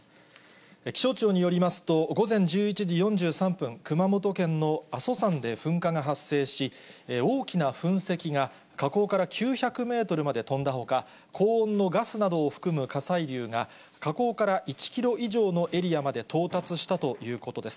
気象庁によりますと、午前１１時４３分、熊本県の阿蘇山で噴火が発生し、大きな噴石が火口から９００メートルまで飛んだほか、高温のガスなどを含む火砕流が、火口から１キロ以上のエリアまで到達したということです。